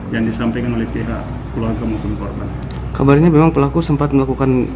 yang disampaikan oleh pihak keluarga maupun korban kabarnya memang pelaku sempat melakukan